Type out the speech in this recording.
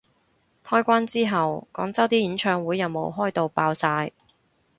開關之後廣州啲演唱會有冇開到爆晒